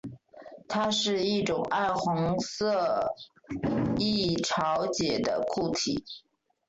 它是一种暗红色易潮解的固体。